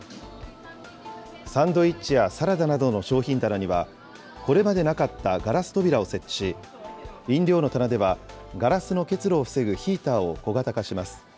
サンドイッチやサラダなどの商品棚には、これまでなかったガラス扉を設置し、飲料の棚では、ガラスの結露を防ぐヒーターを小型化します。